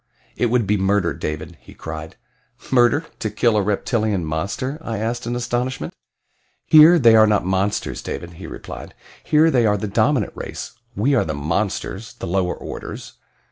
"It would be murder, David," he cried. "Murder to kill a reptilian monster?" I asked in astonishment. "Here they are not monsters, David," he replied. "Here they are the dominant race we are the 'monsters' the lower orders.